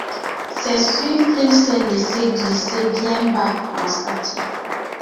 C'est sûr qu'il s'est laissé glisser bien bas, pensa-t-il.